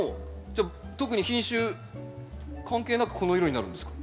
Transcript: じゃあ特に品種関係なくこの色になるんですか？